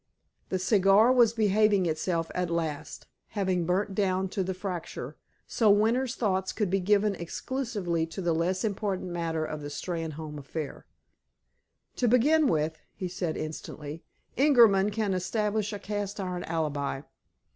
The cigar was behaving itself at last, having burnt down to the fracture, so Winter's thoughts could be given exclusively to the less important matter of the Steynholme affair. "To begin with," he said instantly. "Ingerman can establish a cast iron alibi."